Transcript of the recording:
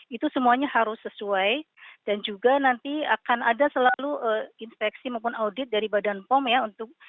itu semuanya harus sesuai dan juga nanti akan ada selalu inspeksi maupun audit dari badan pom ya untuk